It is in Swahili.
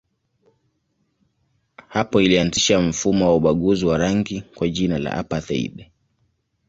Hapo ilianzisha mfumo wa ubaguzi wa rangi kwa jina la apartheid.